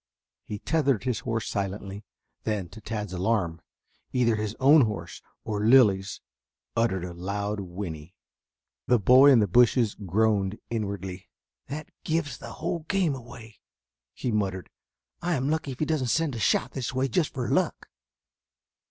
He tethered his horse silently, then to Tad's alarm either his own horse or Lilly's uttered a loud whinny. The boy in the bushes groaned inwardly. "That gives the whole game away," he muttered. "I am lucky if he doesn't send a shot this way just for luck."